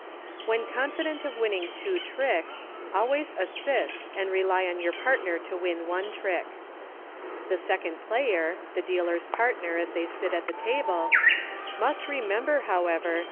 When confident of winning two tricks al ways assist and rely on your partner to win one trick. The second player (the dealer's partner as they sit at the table) must remember, however, HINTS TO TYROS.